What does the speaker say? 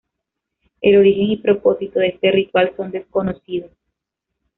El origen y propósito de este ritual son desconocidos.